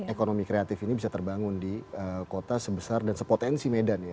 ekonomi kreatif ini bisa terbangun di kota sebesar dan sepotensi medan ya